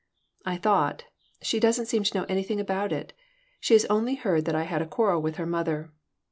I thought: "She doesn't seem to know anything about it. She has only heard that I had a quarrel with her mother."